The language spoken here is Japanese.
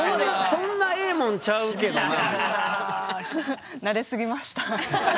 「そんなええもんちゃうけどな」みたいな。